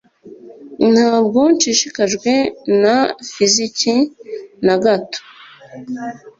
Ntabwo nshishikajwe na fiziki na gato